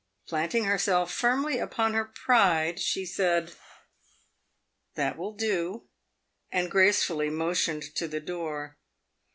Planting her self firmly upon her pride, she said, "That will do," and gracefully motioned to the door.